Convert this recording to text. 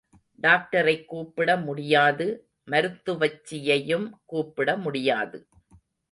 டாக்டரைக் கூப்பிட முடியாது, மருத்துவச்சியையும் கூப்பிட முடியாது.